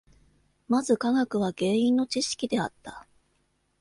まず科学は原因の知識であった。